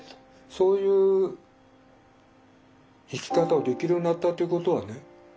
そういう生き方をできるようになったっていうことはね